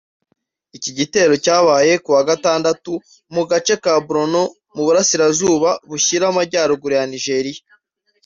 Iki gitero cyabaye kuwa Gatandatu mu gace ka Borno mu Burasirazuba bushyira Amajyaruguru ya Nigeria